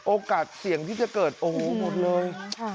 โอกาสเสี่ยงที่จะเกิดโอ้โหหมดเลย